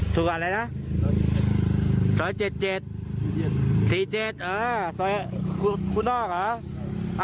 สักอะไรนะสเต้าเจ็ดเจ็ดสี่เจ็ดอ่ะตรงนอกอ่ะ